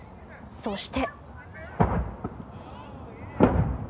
そして。